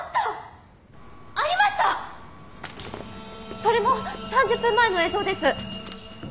それも３０分前の映像です！